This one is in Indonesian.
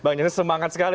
bang jansen semangat sekali